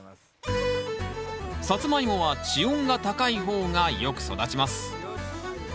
サツマイモは地温が高い方がよく育ちます。